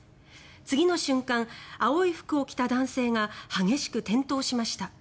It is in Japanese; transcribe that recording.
次の瞬間、青い服を着た男性が激しく転倒しました。